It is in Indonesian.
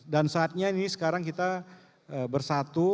dan saatnya ini sekarang kita bersatu